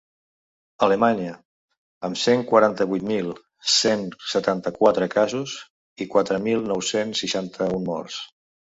Alemanya, amb cent quaranta-vuit mil cent setanta-quatre casos i quatre mil nou-cents seixanta-un morts.